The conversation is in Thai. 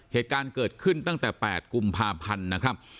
เหตุการณ์เกิดขึ้นตั้งแต่๘กุมภาพันธ์นะครับ